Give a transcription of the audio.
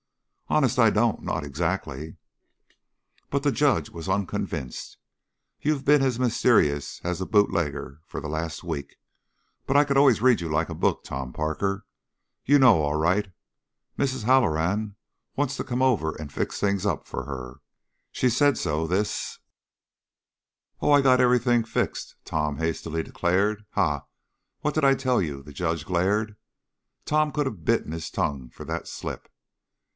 "Honest, I don't not exactly." But the judge was unconvinced. "You've been as mysterious as a bootlegger for the last week, but I could always read you like a book, Tom Parker. You know, all right. Mrs. Halloran wants to come over and fix things up for her. She said so this " "Oh, I got everything fixed," Tom hastily declared. "Ha! What did I tell you?" The judge glared; Tom could have bitten his tongue for that slip.